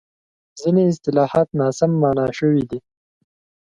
ځینې اصطلاحات ناسم مانا شوي دي.